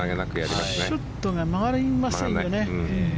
ショットが曲がりませんよね。